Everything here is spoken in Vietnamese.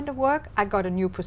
nơi chúng tôi